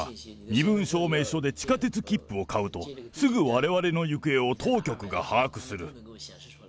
身分証明書で地下鉄切符を買うと、すぐわれわれの行方を当局が把握する。